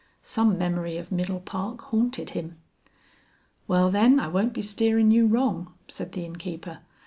Some memory of Middle Park haunted him. "Wal, then, I won't be steerin' you wrong," said the innkeeper.